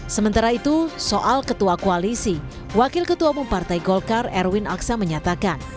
sementara itu soal ketua koalisi wakil ketua umum partai golkar erwin aksa menyatakan